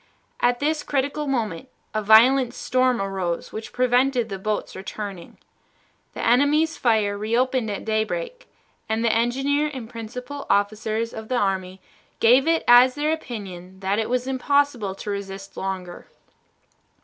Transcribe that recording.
At this critical moment a violent storm arose which prevented the boats returning. The enemy's fire reopened at daybreak, and the engineer and principal officers of the army gave it as their opinion that it was impossible to resist longer.